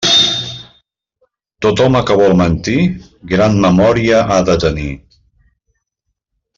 Tot home que vol mentir, gran memòria ha de tenir.